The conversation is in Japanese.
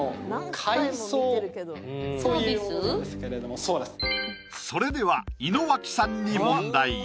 そうですそれでは井之脇さんに問題！